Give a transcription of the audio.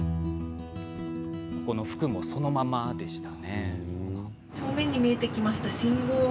この服もそのままでした。